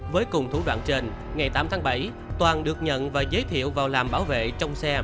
với cùng thủ đoạn trên ngày tám tháng bảy toàn được nhận và giới thiệu vào làm bảo vệ trong xe